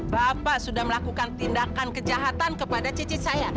bapak sudah melakukan tindakan kejahatan kepada cicit saya